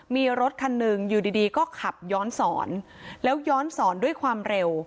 มีรถคันหนึ่งอยู่ดีดีก็ขับย้อนสอนแล้วย้อนสอนด้วยความเร็ว